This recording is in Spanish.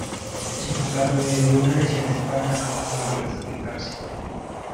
Sin embargo debido a una lesión de espalda no consiguió clasificarse.